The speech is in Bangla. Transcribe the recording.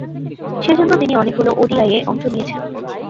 সেজন্যে তিনি অনেকগুলো ওডিআইয়ে অংশ নিয়েছেন তিনি।